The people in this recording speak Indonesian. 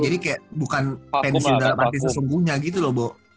jadi kayak bukan pensiun udah mati sesungguhnya gitu loh bo